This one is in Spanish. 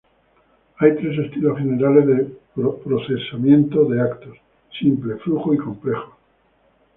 Hay tres estilos generales de procesamiento de eventos: simple, flujo, y complejos.